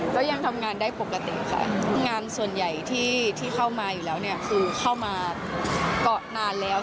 ก็ยังทำงานได้ปกติค่ะงานส่วนใหญ่ที่เข้ามาอยู่แล้วเนี่ยคือเข้ามาเกาะนานแล้ว